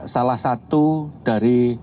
salah satu dari